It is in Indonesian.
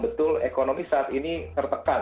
betul ekonomi saat ini tertekan